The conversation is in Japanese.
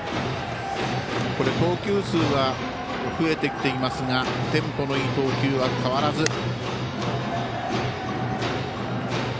投球数は増えてきていますがテンポのいい投球は変わらず。